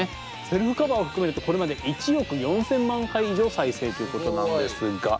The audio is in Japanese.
セルフカバーを含めるとこれまで１億４，０００万回以上再生ということなんですが。